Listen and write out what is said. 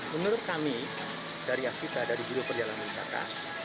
menurut kami dari akibat dari hidup perjalanan kita